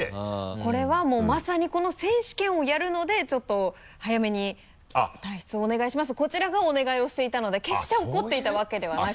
これはもうまさにこの選手権をやるのでちょっと早めに退出をお願いしますとこちらがお願いをしていたので決して怒っていたわけではなく。